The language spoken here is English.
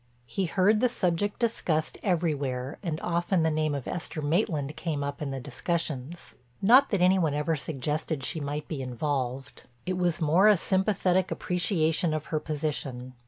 He heard the subject discussed everywhere and often the name of Esther Maitland came up in the discussions. Not that any one ever suggested she might be involved;—it was more a sympathetic appreciation of her position.